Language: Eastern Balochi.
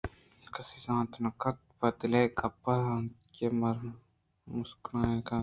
کس زانت نہ کنت پہ دل گپ ءَ اِنت کہ مسکرا کنت